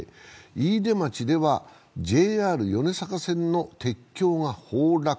飯豊町ではＪＲ米坂線の鉄橋が崩落。